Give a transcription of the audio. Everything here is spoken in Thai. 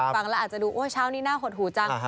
ฟังแล้วอาจจะดูโอ๊ยเช้านี้น่าหดหูจัง